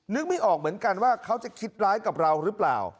นึกไม่ออกเหมือนกันว่าเขาจะคิดร้ายกับเราหรือเปล่า